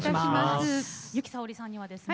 由紀さおりさんにはですね